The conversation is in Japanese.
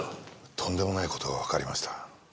とんでもない事がわかりました。